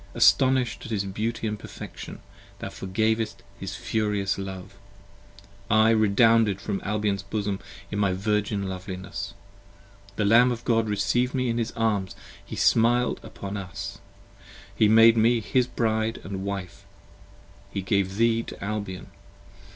Astonish'd at his beauty & perfection, thou forgavest his furious love: I redounded from Albion's bosom in my virgin loveliness : The Lamb of God reciev'd me in his arms, he smil'd upon us: 40 He made me his Bride & Wife: he gave thee to Albion.